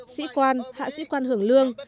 sĩ quan hạ sĩ quan hưởng lương